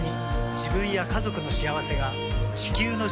自分や家族の幸せが地球の幸せにつながっている。